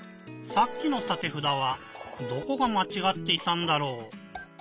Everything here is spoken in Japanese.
さっきのたてふだはどこがまちがっていたんだろう？